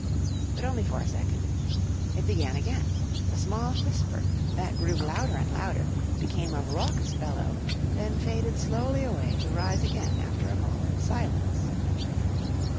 But only for a second. It began again a small whisper that grew louder and louder, became a raucous bellow, then faded slowly away to rise again after a moment's silence.